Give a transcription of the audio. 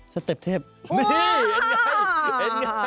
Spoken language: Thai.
สเต็บเทพ